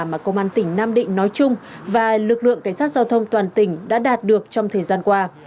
mà công an tỉnh nam định nói chung và lực lượng cảnh sát giao thông toàn tỉnh đã đạt được trong thời gian qua